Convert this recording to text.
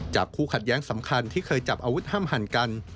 คู่ขัดแย้งสำคัญที่เคยจับอาวุธห้ามหันกัน